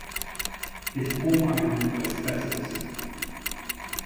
His home island was Spetses.